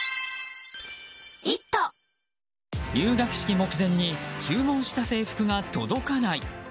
入学式直前に注文した制服が届かない。